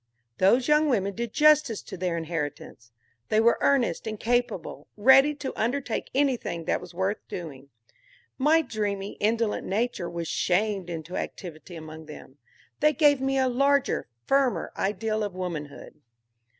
Those young women did justice to their inheritance. They were earnest and capable; ready to undertake anything that was worth doing. My dreamy, indolent nature was shamed into activity among them. They gave me a larger, firmer ideal of womanhood.